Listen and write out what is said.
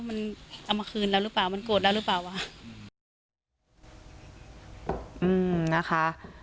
มันเอามาคืนเราหรือเปล่ามันโกรธเราหรือเปล่าอืมนะคะ